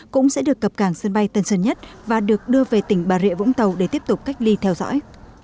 cũng sẽ được cập cảng sân bay tân sơn nhất và được đưa về tỉnh bà rịa vũng tàu để tiếp tục cách ly theo dõi